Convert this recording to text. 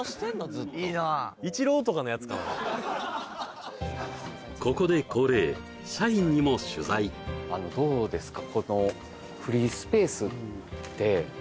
ずっとここで恒例社員にも取材どうですか？